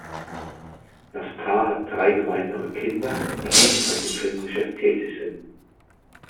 Das Paar hat drei gemeinsame Kinder, die ebenfalls im Filmgeschäft tätig sind.